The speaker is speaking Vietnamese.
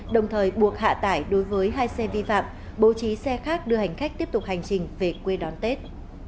đồng thời buộc hạ tải đối với hai xe vi phạm bố trí xe khác đưa hành khách tiếp tục hành trình về quê đón tết